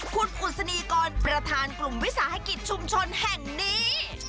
คุณอุศนีกรประธานกลุ่มวิสาหกิจชุมชนแห่งนี้